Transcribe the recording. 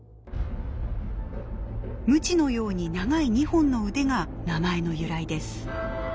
ムチのように長い２本の腕が名前の由来です。